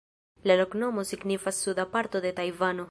La loknomo signifas: "suda parto de Tajvano".